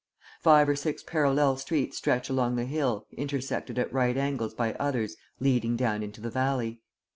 Five or six parallel streets stretch along the hill intersected at right angles by others leading down into the valley.